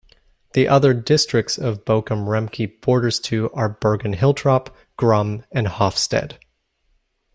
The other districts of Bochum, Riemke borders to are Bergen-Hiltrop, Grumme and Hofstede.